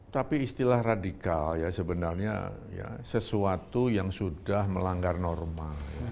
tapi istilah radikal ya sebenarnya sesuatu yang sudah melanggar norma